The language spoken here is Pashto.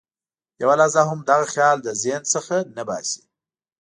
یوه لحظه هم دغه خیال له ذهن څخه نه باسي.